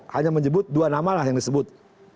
hanya menyebut dua namalah yang disebut